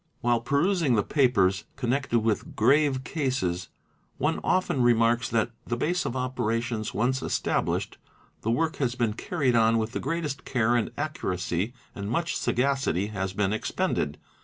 While perusing the papers connected with grave cases one often remarks that, the base of operations once established, the work has been carried on with the greatest care and accuracy and much sagacity has been expended.